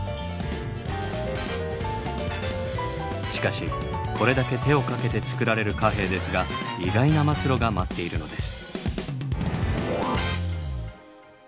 しかしこれだけ手をかけて造られる貨幣ですが意外な末路が待っているのです。